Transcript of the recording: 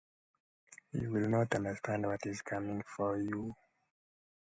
Four bullets had been fired into his back.